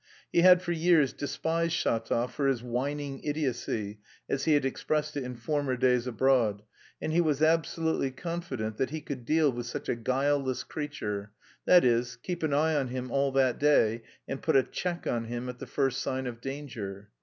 He had for years despised Shatov for his "whining idiocy," as he had expressed it in former days abroad, and he was absolutely confident that he could deal with such a guileless creature, that is, keep an eye on him all that day, and put a check on him at the first sign of danger.